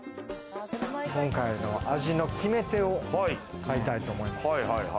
今回の味の決め手を買いたいと思います。